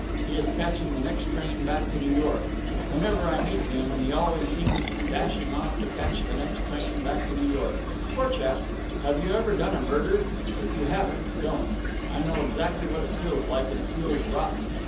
He is catching the next train back to New York! Whenever I meet him, he always seems to be dashing off to catch the next train back to New York! Poor chap! Have you ever done a murder? If you haven't, don't! I know exactly what it feels like, and it feels rotten!